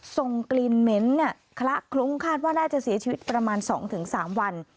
ส่งกลิ่นเหม็นคละคลุ้งคาดว่าน่าจะเสียชีวิตประมาณ๒๓วัน